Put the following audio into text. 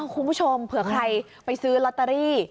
คุณผู้ชมเผื่อใครไปซื้อลอตเตอรี่